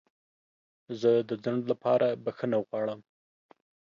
زه د ځنډ لپاره بخښنه غواړم.